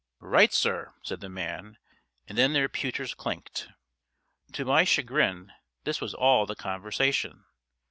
"Right, sir!" said the man. And then their pewters clinked. To my chagrin this was all the conversation.